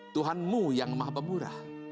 tuhanmu yang maha pemurah